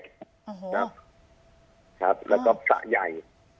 ครับครับแล้วก็สระใหญ่